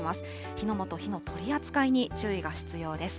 火の元、火の取り扱いに注意が必要です。